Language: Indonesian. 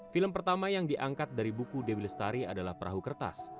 film pertama yang diangkat dari buku dewi lestari adalah perahu kertas